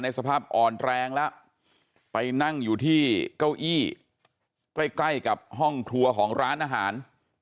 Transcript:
อ่อนแรงแล้วไปนั่งอยู่ที่เก้าอี้ใกล้กับห้องทัวร์ของร้านอาหาร